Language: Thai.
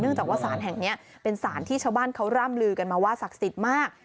จากว่าสารแห่งนี้เป็นสารที่ชาวบ้านเขาร่ำลือกันมาว่าศักดิ์สิทธิ์มาก